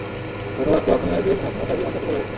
ধন্যবাদ তো আপনি আর জেস আপনার দাদিমার কাছে বড় হয়েছেন।